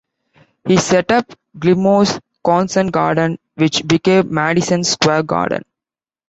He set up "Gilmore's Concert Garden", which became Madison Square Garden.